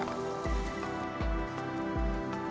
perjalanan kami menuju lombok utara